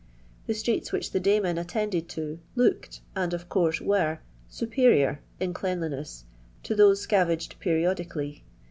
The streets which the daymen attended to "looked," and of course were, " superior" in cleanliness to those scavaged periodically.